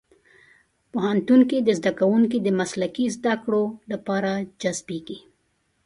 پوهنتون کې زدهکوونکي د مسلکي زدهکړو لپاره جذب کېږي.